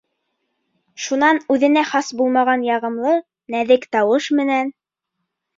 Шунан үҙенә хас булмаған яғымлы, нәҙек тауыш менән: